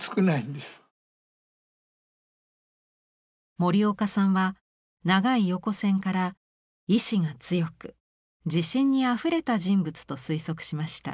森岡さんは長い横線から意志が強く自信にあふれた人物と推測しました。